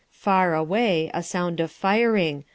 Far away, A sound of firing....